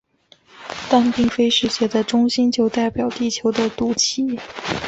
但并非世界的中心就代表地球的肚脐。